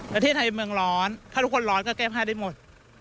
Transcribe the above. ประเทศไทยเมืองร้อนถ้าทุกคนร้อนก็แก้ผ้าได้หมด